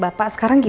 sampai jumpa lagi